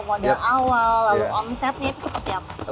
modal awal lalu omsetnya itu seperti apa